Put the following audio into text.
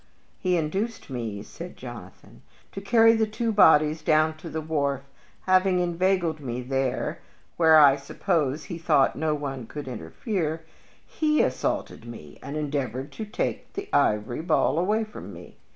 "He induced me," said Jonathan, "to carry the two bodies down to the wharf. Having inveigled me there where, I suppose, he thought no one could interfere he assaulted me, and endeavored to take the ivory ball away from me.